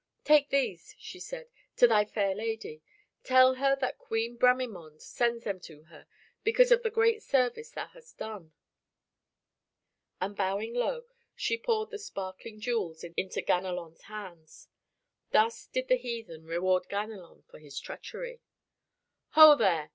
"Take these," she said, "to thy fair lady. Tell her that Queen Bramimonde sends them to her because of the great service thou hast done." And bowing low, she poured the sparkling jewels into Ganelon's hands. Thus did the heathen reward Ganelon for his treachery. "Ho there!"